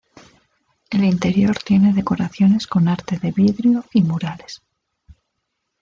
El interior tiene decoraciones con arte de vidrio y murales.